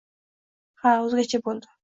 Ha, o‘zgacha bo‘ldi!